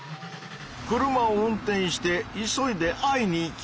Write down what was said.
車を運転して急いで会いに行きたい。